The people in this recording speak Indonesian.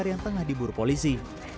yang tengah diburu polisi